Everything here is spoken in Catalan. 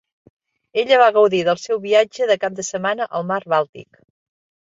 Ella va gaudir del seu viatge de cap de setmana al mar Bàltic.